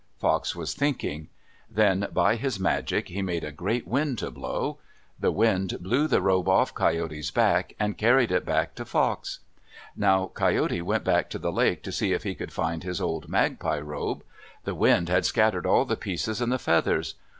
Fox was thinking. Then by his magic he made a great wind to blow. The wind blew the robe off Coyote's back and carried it back to Fox. Now Coyote went back to the lake, to see if he could find his old magpie robe. The wind had scattered all the pieces and the feathers.